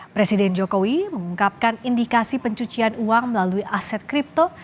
presiden jokowi mengungkapkan indikasi pencucian uang melalui aset kripto